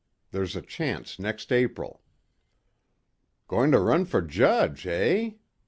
There's a chance next April." "Going to run for Judge, eh?"